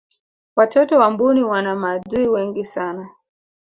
watoto wa mbuni wana maadui wengi sana